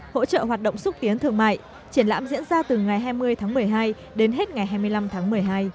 hỗ trợ hoạt động xúc tiến thương mại triển lãm diễn ra từ ngày hai mươi tháng một mươi hai đến hết ngày hai mươi năm tháng một mươi hai